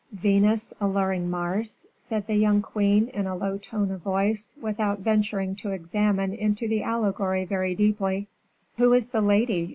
"Venus alluring Mars?" said the young queen in a low tone of voice without venturing to examine into the allegory very deeply. "Who is the lady?"